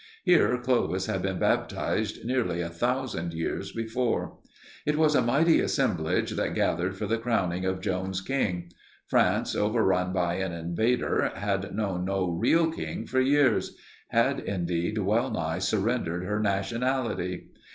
Here Clovis had been baptized nearly a thousand years before. It was a mighty assemblage that gathered for the crowning of Joan's king. France, overrun by an invader, had known no real king for years had, indeed, well nigh surrendered her nationality.